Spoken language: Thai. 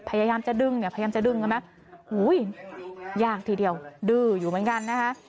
พยายามจะดึงเนี่ยพยายามจะดึงกันไหมอุ้ยยากทีเดียวดื้ออยู่เหมือนกันนะคะ